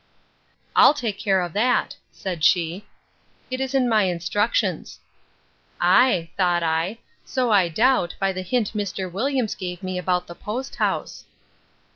I'll take care of that, said she; it is in my instructions.—Ay, thought I, so I doubt, by the hint Mr. Williams gave me about the post house.